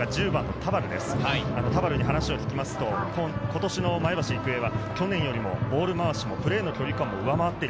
田原に話を聞きますと、今年の前橋育英は去年よりもボール回しも、プレーの距離感も上回っている。